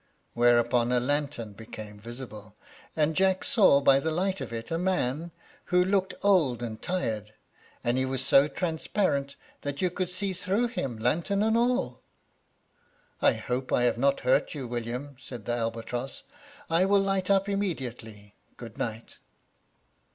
Thereupon a lantern became visible, and Jack saw by the light of it a man, who looked old and tired, and he was so transparent that you could see through him, lantern and all. "I hope I have not hurt you, William," said the albatross; "I will light up immediately. Good night."